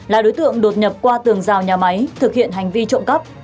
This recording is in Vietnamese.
là đối tượng đột nhập qua tường rào nhà máy thực hiện hành vi trộm cắp